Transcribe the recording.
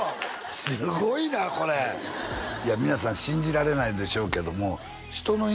すごいなこれいや皆さん信じられないでしょうけどもひとの犬